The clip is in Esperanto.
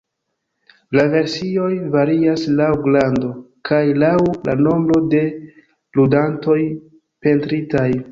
La versioj varias laŭ grando kaj laŭ la nombro de ludantoj pentritaj.